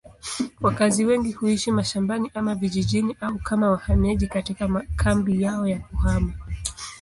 Wakazi wengi huishi mashambani ama vijijini au kama wahamiaji katika makambi yao ya kuhama.